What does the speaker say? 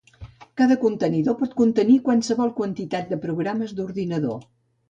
Cada contenidor pot contenir qualsevol quantitat de programes d'ordinador.